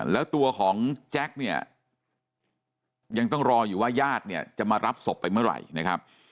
แล้วตัวของแจ็คเนี่ยยังต้องรออยู่ว่าญาติเนี่ยจะมารับศพไปเมื่อไหร่นะครับ